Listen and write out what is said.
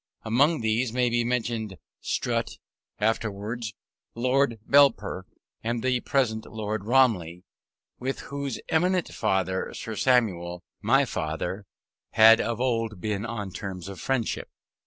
Among these may be mentioned Strutt, afterwards Lord Belper, and the present Lord Romilly, with whose eminent father, Sir Samuel, my father had of old been on terms of friendship.